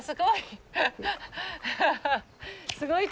すごい！